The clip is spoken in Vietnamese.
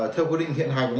theo quy định hiện hành